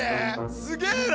すげえな。